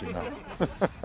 ハハハハ。